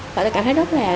bọn em cảm thấy rất là